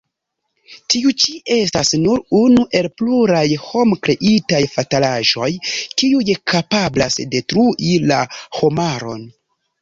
Tiu ĉi estas nur unu el pluraj homkreitaj fatalaĵoj, kiuj kapablas detrui la homaron.